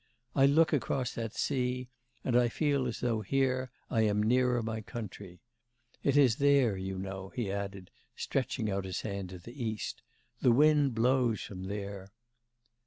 I look across that sea, and I feel as though here, I am nearer my country. It is there, you know,' he added, stretching out his hand to the East, 'the wind blows from there.